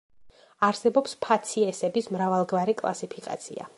არსებობს ფაციესების მრავალგვარი კლასიფიკაცია.